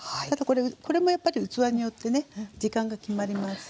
これもやっぱり器によってね時間が決まりますからね。